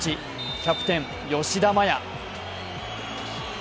キャプテン・吉田麻也。